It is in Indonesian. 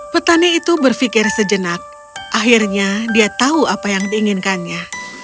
petani itu berpikir sejenak akhirnya dia tahu apa yang diinginkannya